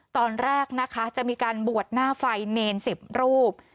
ตอนแรกนะคะจะมีการบวชหน้าไฟเนร๑๐รูป